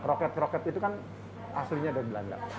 roket roket itu kan aslinya dari belanda